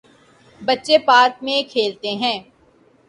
بچے پارک میں کھیلتے ہیں۔